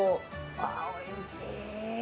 あー、おいしい。